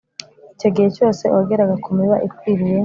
Icyo gihe cyose uwageraga ku miba ikwiriye